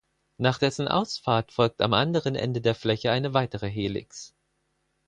Nach dessen Ausfahrt folgt am anderen Ende der Fläche eine weitere Helix.